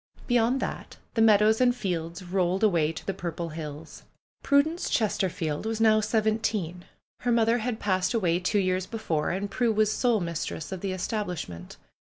Beyond that, the mead ows and fields rolled away to the purple hills. 178 PRUE'S GARDENER Prudence Chesterfield was now seventeen. Her mother had passed away two years before, and Prue was sole mistress of the establishment.